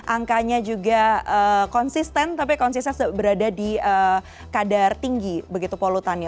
angkanya juga konsisten tapi konsisten berada di kadar tinggi begitu polutannya